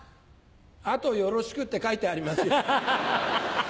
「あとよろしく」って書いてありますよ。